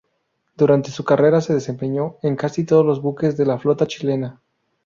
Durante su carrera, se desempeñó en casi todos los buques de la flota chilena.